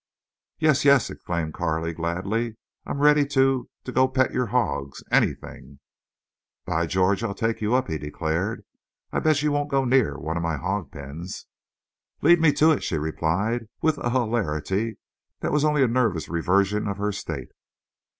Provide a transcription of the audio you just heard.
"Yes—yes," exclaimed Carley, gladly. "I'm ready to—to go pet your hogs—anything." "By George! I'll take you up," he declared. "I'll bet you won't go near one of my hogpens." "Lead me to it!" she replied, with a hilarity that was only a nervous reversion of her state.